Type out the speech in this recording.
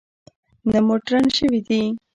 نه مډرن شوي دي.